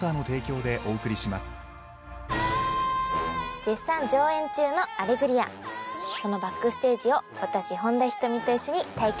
絶賛上映中の『アレグリア』そのバックステージを私本田仁美と一緒に体験しましょう。